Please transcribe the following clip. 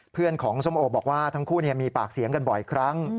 เพื่อนของส้มโอบอกว่าทั้งคู่มีปากเสียงกันบ่อยครั้ง